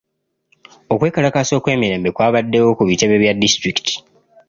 Okwekalakaasa okw'emirembe kwabaddewo ku bitebe bya disitulikiti.